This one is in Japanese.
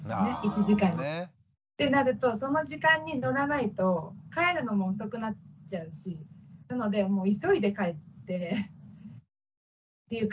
１時間に。ってなるとその時間に乗らないと帰るのも遅くなっちゃうしなので急いで帰ってっていう感じの。